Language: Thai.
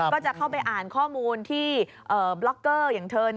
ก็จะเข้าไปอ่านข้อมูลที่บล็อกเกอร์อย่างเธอ